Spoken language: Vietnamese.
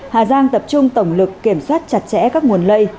hà giang tập trung tổng lực kiểm soát chặt chẽ các nguồn lây